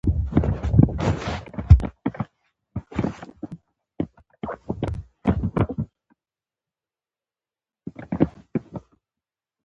د دې په لیدو مې قدمونه نور هم تیز کړل.